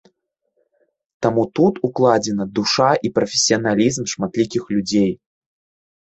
Таму тут укладзена душа і прафесіяналізм шматлікіх людзей.